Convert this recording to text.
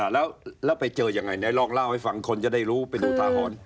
แล้วไปเจออย่างไรลองเล่าให้ฟังคนจะได้รู้ไปดูทาฮอน